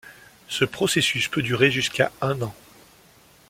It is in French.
Ce processus peut durer jusqu'à un an.